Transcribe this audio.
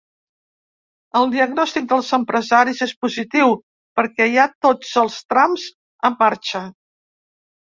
El diagnòstic dels empresaris és positiu perquè hi ha tots els trams en marxa.